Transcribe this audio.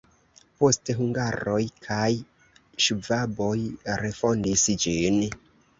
Poste hungaroj kaj ŝvaboj refondis ĝin.